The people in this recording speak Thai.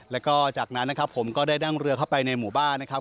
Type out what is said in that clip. แล้วก็จากนั้นนะครับผมก็ได้นั่งเรือเข้าไปในหมู่บ้านนะครับ